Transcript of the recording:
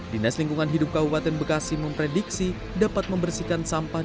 dinas lingkungan hidup kabupaten bekasi memprediksi dapat membersihkan sampah